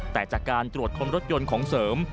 แต่จากการตรวจค้นรถยนต์ของเสริม